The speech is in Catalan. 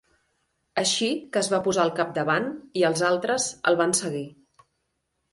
Així que es va posar al capdavant i els altres el van seguir.